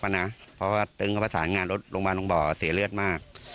เพราะว่าเฏิ้งกลับพระสามงานลงบ่อสีเลือดมาก